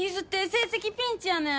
成績ピンチやねん。